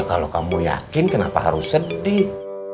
kalau kamu yakin kenapa harus sedih